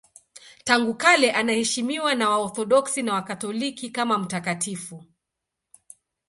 Tangu kale anaheshimiwa na Waorthodoksi na Wakatoliki kama mtakatifu.